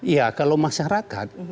ya kalau masyarakat